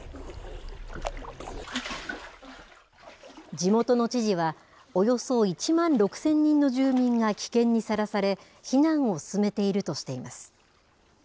地元の知事は、およそ１万６０００人の住民が危険にさらされ、避難を進めているとしています。